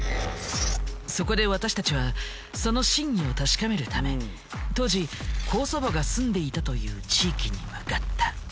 そこで私たちはその真偽を確かめるため当時高祖母が住んでいたという地域に向かった。